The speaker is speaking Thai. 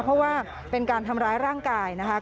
เพราะว่าเป็นการทำร้ายร่างกายนะคะ